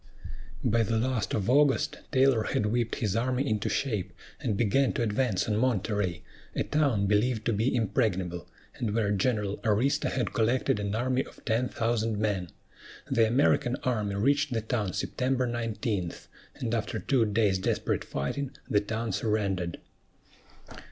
By the last of August, Taylor had whipped his army into shape, and began to advance on Monterey, a town believed to be impregnable, and where General Arista had collected an army of ten thousand men. The American army reached the town September 19; and after two days' desperate fighting the town surrendered.